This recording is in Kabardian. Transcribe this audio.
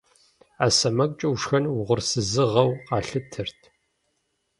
Ӏэ сэмэгукӀэ ушхэну угъурсызыгъэу къалъытэрт.